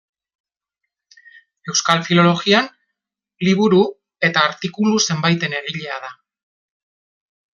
Euskal filologian liburu eta artikulu zenbaiten egilea da.